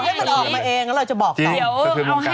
บอกให้มันออกมาเองแล้วเราจะบอกต่อ